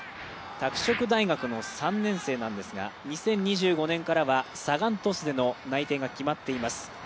拓殖大学の３年生なんですが、２０２５年からはサガン鳥栖での内定が決まっています。